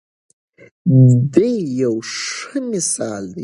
دی یو ښه مثال دی.